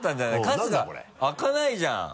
春日開かないじゃん。